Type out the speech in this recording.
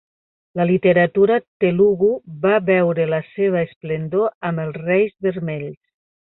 La literatura telugu va veure la seva esplendor amb els reis vermells.